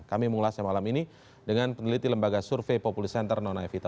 kami mengulasnya malam ini dengan peneliti lembaga survei populi center non evita